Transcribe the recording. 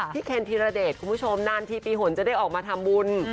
เคนธีรเดชคุณผู้ชมนานทีปีหนจะได้ออกมาทำบุญ